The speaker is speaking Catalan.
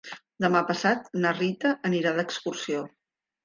Demà passat na Rita anirà d'excursió.